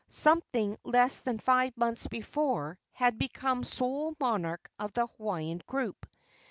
something less than five months before, had become sole monarch of the Hawaiian group.